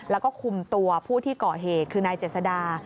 แล้วก็คุมตัวผู้ที่ก่อเหตุคือนายเจษดา